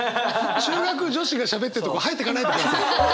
中学女子がしゃべってるとこ入ってかないでください。